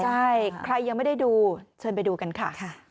ใช่ใครยังไม่ได้ดูเชิญไปดูกันค่ะ